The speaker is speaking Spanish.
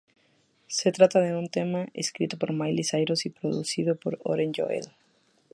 Se trata de un tema escrito por Miley Cyrus y producido por Oren Yoel.